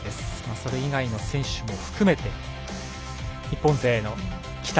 それ以外の選手も含めて日本勢の期待